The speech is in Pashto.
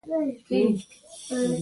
مجاهدین باید سبا د توربېلې کنډو ته راشي.